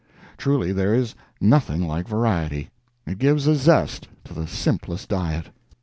Truly, there is nothing like variety. It gives a zest to the simplest diet.